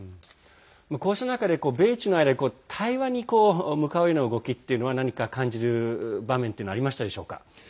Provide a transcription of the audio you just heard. こうした中で米中の間で対話に向かうような動きは何か感じる場面はありましたでしょうか？